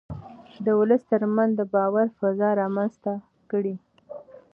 د ولس ترمنځ د باور فضا رامنځته کړئ.